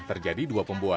terjadi dua pembuatan